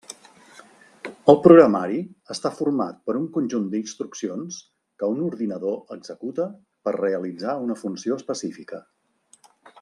El programari està format per un conjunt d'instruccions que un ordinador executa per realitzar una funció específica.